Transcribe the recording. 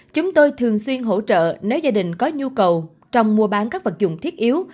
chúng tôi thường xuyên hỗ trợ nếu gia đình có nhu cầu trong mua bán các vật dụng thiết yếu